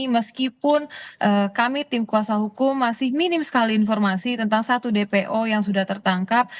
meskipun kami tim kuasa hukum masih minim sekali informasi tentang satu dpo yang sudah tertangkap